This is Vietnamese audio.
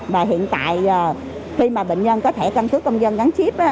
và hiện tại khi mà bệnh nhân có thẻ căn cước công dân gắn chip